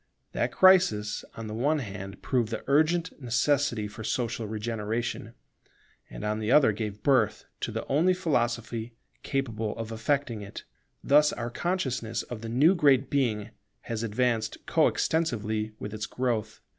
That crisis on the one hand proved the urgent necessity for social regeneration, and on the other gave birth to the only philosophy capable of effecting it. Thus our consciousness of the new Great Being has advanced co extensively with its growth.